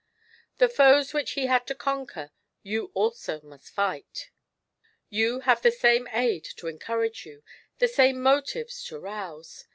The foes which he had to conquer you also must fight; you have the same aid to encourage you, the same motives to rouse.